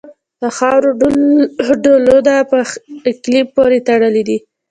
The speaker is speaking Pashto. د خاورې ډولونه په اقلیم پورې تړلي دي.